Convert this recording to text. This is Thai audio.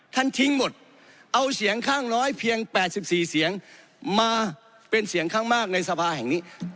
ทิ้งหมดเอาเสียงข้างน้อยเพียง๘๔เสียงมาเป็นเสียงข้างมากในสภาแห่งนี้